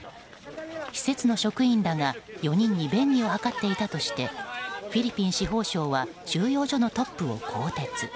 施設の職員らが４人に便宜を図っていたとしてフィリピン司法省は収容所のトップを更迭。